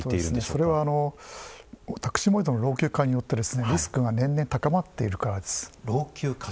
それは宅地盛土の老朽化によってリスクが年々高まっているからです。